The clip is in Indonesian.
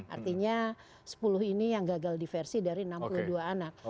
artinya sepuluh ini yang gagal diversi dari enam puluh dua anak